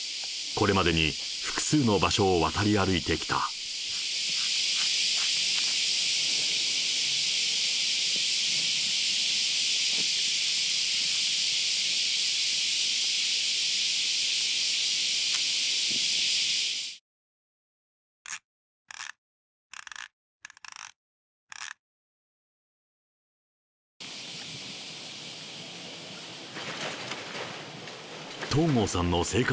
これまでに、複数の場所を渡り歩いてきた。